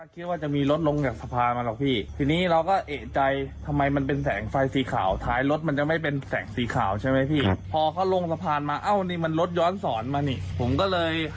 กลับมาเดิมแล้วเขาก็ปื๊ดไปเลย